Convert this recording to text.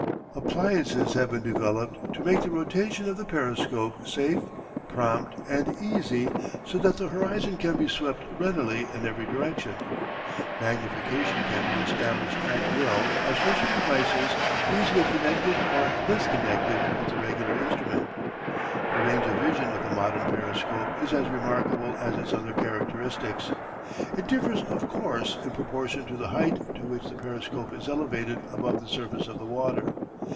Appliances have been developed to make the rotation of the periscope safe, prompt, and easy so that the horizon can be swept readily in every direction. Magnification can be established at will by special devices easily connected or disconnected with the regular instrument. The range of vision of the modern periscope is as remarkable as its other characteristics. It differs, of course, in proportion to the height to which the periscope is elevated above the surface of the water.